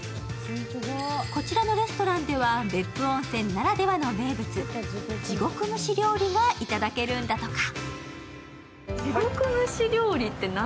こちらのレストランでは別府温泉ならではの名物地獄蒸し料理がいただけるんだとか。